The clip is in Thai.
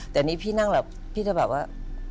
แต่อันนี้พี่นั่งแบบพี่จะแบบว่า